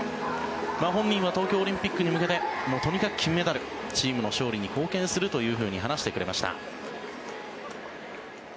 本人は東京オリンピックに向けてとにかく金メダルチームの勝利に貢献すると話してくれました。